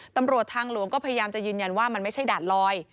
ตำรวจทางหลวงก็พยายามจะยืนยันว่ามันไม่ใช่ด่านลอย